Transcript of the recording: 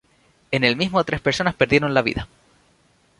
En el mismo tres personas perdieron la vida.